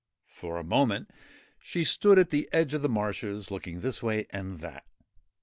For a moment she stood at the edge of the marshes, looking this way and that.